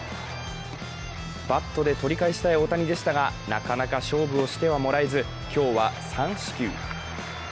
バットで取り返したい大谷でしたが、なかなか勝負をしてはもらえず、今日は３四球。